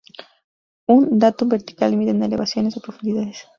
Un datum vertical miden elevaciones o profundidades.